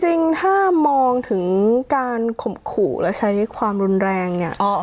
จริงถ้ามองถึงการข่มขู่และใช้ความรุนแรงเนี่ย